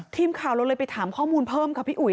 ทีมข่าวเราเลยไปถามข้อมูลเพิ่มค่ะพี่อุ๋ย